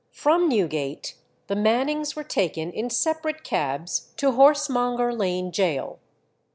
From Newgate the Mannings were taken in separate cabs to Horsemonger Lane Gaol.